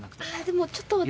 でもちょっと私。